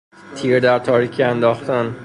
تیر در تاریکی انداختن